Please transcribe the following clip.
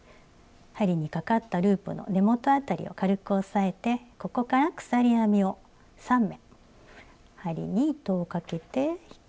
針にかかったループの根元辺りを軽く押さえてここから鎖編みを３目針に糸をかけて引き抜く。